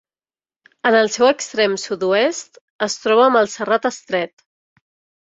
En el seu extrem sud-oest es troba amb el Serrat Estret.